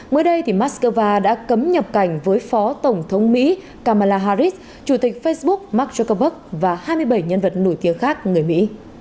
mới đây moscow đã cấm nhập cảnh với phó tổng thống mỹ kamala harris chủ tịch facebook mark zuckerberg và hai mươi bảy nhân vật nổi tiếng khác người mỹ